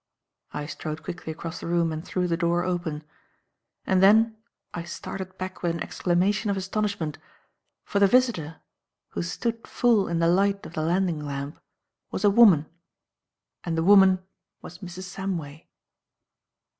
I strode quickly across the room and threw the door open. And then I started back with an exclamation of astonishment. For the visitor who stood full in the light of the landing lamp was a woman; and the woman was Mrs. Samway.